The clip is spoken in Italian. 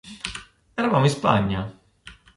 Eravamo in Spagna.